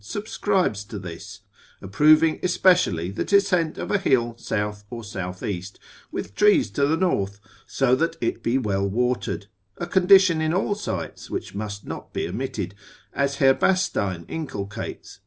subscribes to this, approving especially the descent of a hill south or south east, with trees to the north, so that it be well watered; a condition in all sites which must not be omitted, as Herbastein inculcates, lib.